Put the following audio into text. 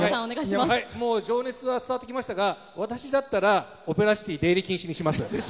情熱は伝わってきましたが私だったらオペラシティ出入り禁止にします。